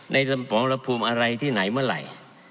ในสมรพภูมิอะไรที่ไหนเมื่อไหร่